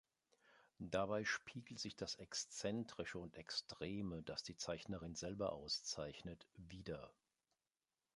Dabei spiegelt sich das Exzentrische und Extreme, das die Zeichnerin selber auszeichnet, wider.